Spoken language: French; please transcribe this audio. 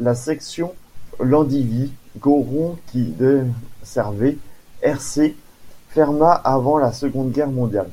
La section Landivy - Gorron qui desservait Hercé ferma avant la Seconde Guerre mondiale.